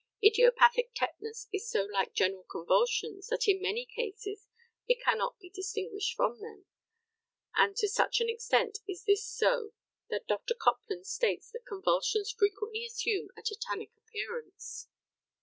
Idiopathic tetanus is so like general convulsions that in many cases it cannot be distinguished from them; and to such an extent is this so that Dr. Copland states that convulsions frequently assume a tetanic appearance.